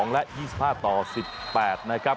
๒๕๒๒และ๒๕๑๘นะครับ